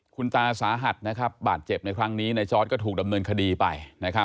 คุณตาสาหัสนะครับบาดเจ็บในครั้งนี้ในจอร์ดก็ถูกดำเนินคดีไป